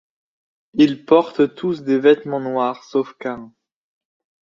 Ils portent tous des vêtements noirs sauf Caïn.